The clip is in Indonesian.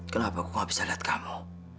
kenapa aku gak bisa lihat kamu